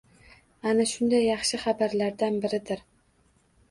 Ana shunday yaxshi xabarlardan biridir